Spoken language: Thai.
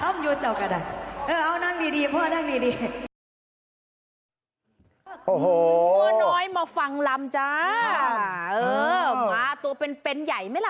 โอ้โหวัวน้อยมาฟังลำจ้าค่ะเออมาตัวเป็นเป็นใหญ่ไหมล่ะ